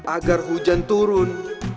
agar hujan turun